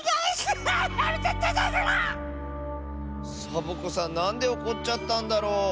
サボ子さんなんでおこっちゃったんだろう。